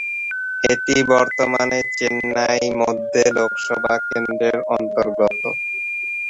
এটি বর্তমানে চেন্নাই মধ্য লোকসভা কেন্দ্রের অন্তর্গত।